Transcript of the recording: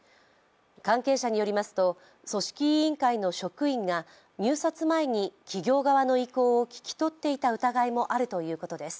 関係者によりますと組織委員会の職員が入札前に企業側の意向を聞き取っていた疑いもあるということです。